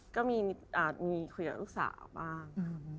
ก็มีคุยกับลูกสาวบ้าง